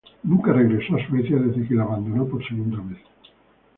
Nunca regresó a Suecia desde que la abandonó por segunda vez.